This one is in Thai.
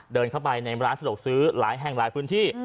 เดินเข้าไปในร้านสะดวกซื้อหลายแห่งหลายพื้นที่